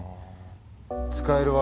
使える技